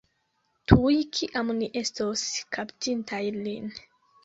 Tuj kiam ni estos kaptintaj lin.